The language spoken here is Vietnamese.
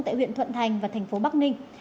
tại huyện thuận thành và thành phố bắc ninh